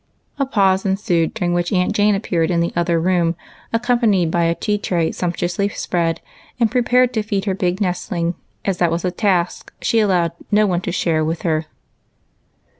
A pause ensued, during which Aunt Jane ai^peared in the other room, accompanied by a tea tray sumptuously spread, and prepared to feed her big nest ling, as that was a task she allowed no one to share with her.